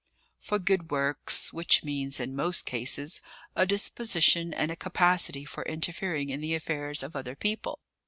"For good works which means, in most cases, a disposition and a capacity for interfering in the affairs of other people.